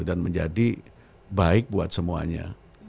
dan menjadi baik buat semuanya